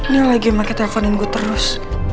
nih lagi maka telfonin gua terus